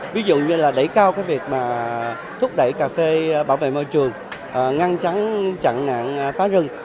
ví dụ như là đẩy cao cái việc mà thúc đẩy cà phê bảo vệ môi trường ngăn chặn nạn phá rừng